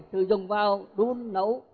sử dụng vào đun nấu